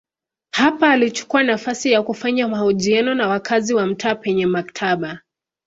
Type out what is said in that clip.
Hapa alichukua nafasi ya kufanya mahojiano na wakazi wa mtaa penye maktaba.